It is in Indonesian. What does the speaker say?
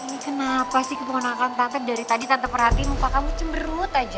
aduh ini kenapa sih kepengenangan tante dari tadi tante perhatian muka kamu cemberut aja